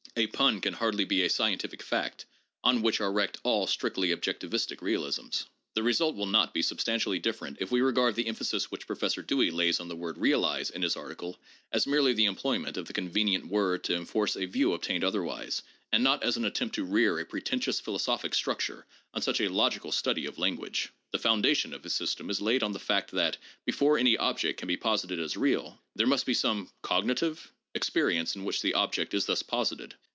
A pun can hardly be a " scientific fact on which are wrecked all strictly objectivistic realisms." The result will not be substantially different if we regard the emphasis which Professor Dewey lays on the word ' realize ' in his article as merely the employment of the convenient word to enforce a view obtained otherwise, and not as an attempt to rear a pretentious philosophic structure on such a logical study of language. The foundation of his system is laid on the fact that, before any object can be posited as real, there must be some (cognitive ?) experience in which the object is thus posited.